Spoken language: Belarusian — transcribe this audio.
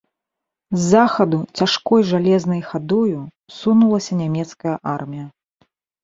З захаду цяжкой жалезнай хадою сунулася нямецкая армія.